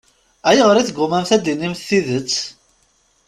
Ayɣer i teggummamt ad d-tinimt tidet?